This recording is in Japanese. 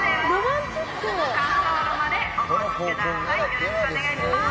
よろしくお願いします